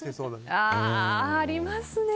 ありますね。